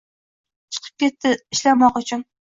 Chiqib ketdi ishlamoq uchun.